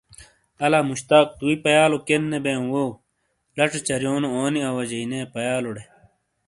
الا مشتاق توئی پیالو کینے بییوں ویو ؟ لچھے چریونو اونی اواجئی نے پیالوڑے.